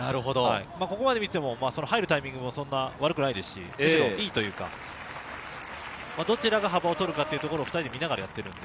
ここまで見てても入るタイミングもそんな悪くないですし、むしろいいというか、どちらが幅を取るかというところを２人で見ながらやってる。